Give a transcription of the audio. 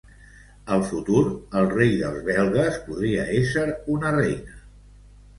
Al futur, el rei dels belgues podria ésser una reina.